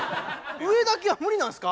上だけは無理なんすか？